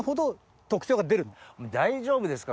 大丈夫ですか？